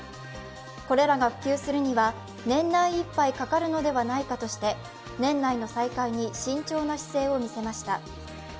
これらが普及するには年内いっぱいかかるのではないかとして年内の再開に慎重な姿勢を見せました。